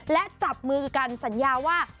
และจับมือกันสัญญาว่า